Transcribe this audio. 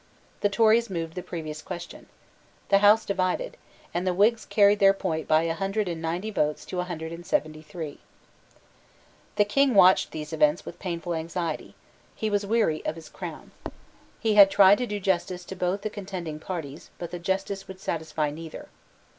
The Tories moved the previous question. The House divided; and the Whigs carried their point by a hundred and ninety votes to a hundred and seventy three, The King watched these events with painful anxiety. He was weary of his crown. He had tried to do justice to both the contending parties; but justice would satisfy neither.